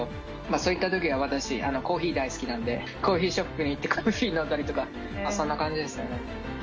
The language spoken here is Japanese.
そういった時は私コーヒー大好きなんでコーヒーショップに行ってコーヒー飲んだりとかまあそんな感じですよね